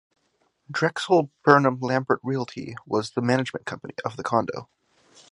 Drexel Burnham Lambert Realty was the management company of the condo.